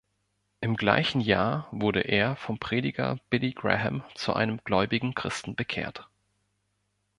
Im gleichen Jahr wurde er vom Prediger Billy Graham zu einem gläubigen Christen bekehrt.